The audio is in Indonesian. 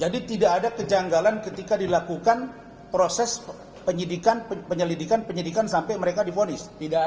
jadi tidak ada kejanggalan ketika dilakukan proses penyelidikan penyelidikan sampai mereka dipolis